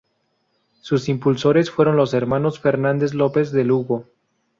Sus impulsores fueron los hermanos Fernández López, de Lugo.